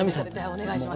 お願いします。